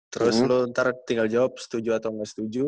terus lu ntar tinggal jawab setuju atau nggak setuju